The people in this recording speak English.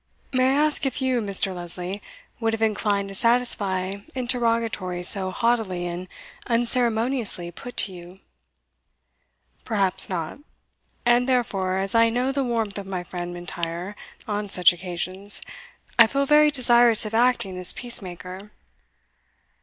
"May I ask, if you, Mr. Lesley, would have inclined to satisfy interrogatories so haughtily and unceremoniously put to you?" "Perhaps not; and therefore, as I know the warmth of my friend M'Intyre on such occasions, I feel very desirous of acting as peacemaker.